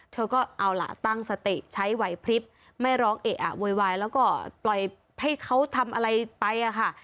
เธอก็เอาล่ะตั้งสติใช้ไหวพลิบไม่ร้องเอะอะโวยวายแล้วก็ปล่อยให้เขาทำอะไรไปอะค่ะ